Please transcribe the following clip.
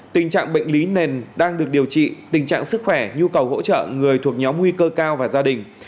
tình trạng bệnh lý nền đang được điều trị tình trạng sức khỏe nhu cầu hỗ trợ người thuộc nhóm nguy cơ cao và gia đình